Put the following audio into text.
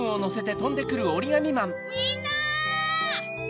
みんな！